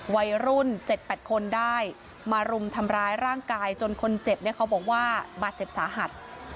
วัยรุ่น๗๘คนได้มารุมทำร้ายร่างกายจนคนเจ็บเนี่ยเขาบอกว่าบาดเจ็บสาหัส